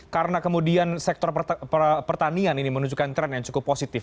karena kemudian sektor pertanian ini menunjukkan tren yang cukup positif